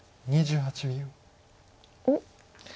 ２８秒。